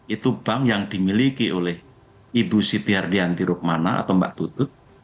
itu bank yang dimiliki oleh ibu siti hardianti rukmana atau mbak tutut